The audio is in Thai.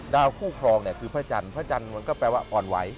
คู่ครองเนี่ยคือพระจันทร์พระจันทร์มันก็แปลว่าอ่อนไหว